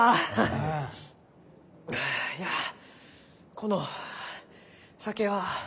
ういやこの酒は。